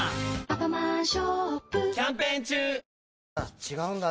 違うんだね。